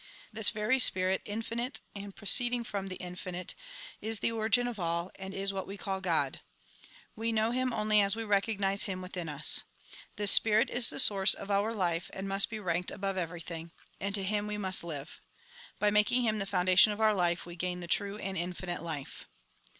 This very Spirit, infinite, and proceeding from the infinite, is the origin of all, and is what we call God. We know Him only as we recognise Him within us. This Spirit is the source of our life, and must be ranked above everything ; and to Him we must live. By making Him the foundation of our Hfe, we gain the true and infinite life.